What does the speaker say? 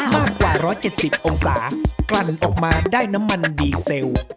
มากกว่า๑๗๐องศากลั่นออกมาได้น้ำมันดีเซล